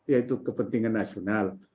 yaitu kepentingan nasional